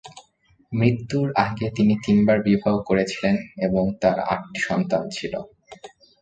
মৃত্যুর আগে তিনি তিনবার বিবাহ করেছিলেন এবং তার আট টি সন্তান ছিল।